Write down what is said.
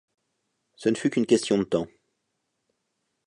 Ce ne fut qu’une question de temps.